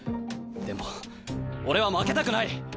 でも俺は負けたくない！